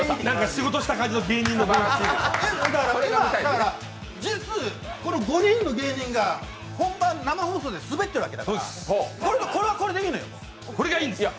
仕事した感じの芸人のこの５人の芸人が本番、生放送でスベっているわけだから、これはこれでいいのよ。